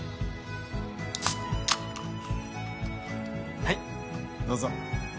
はいどうぞ。